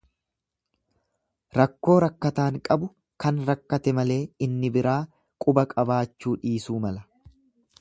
Rakkoo rakkataan qabu kan rakkate malee inni biraa quba qabaachuu dhiisuu mala.